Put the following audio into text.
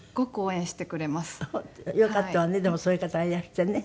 よかったわねでもそういう方がいらしてね。